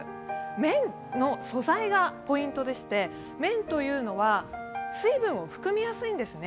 綿の素材がポイントでして、綿というのは水分を含みやすいんですね。